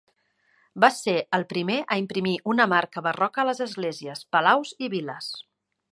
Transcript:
Va ser el primer a imprimir una marca barroca a les esglésies, palaus i vil·les.